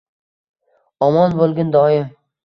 Omon bo’lgin doim